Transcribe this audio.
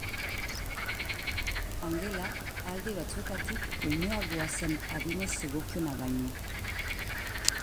Angela alde batzuetatik umeagoa zen adinez zegokiona baino.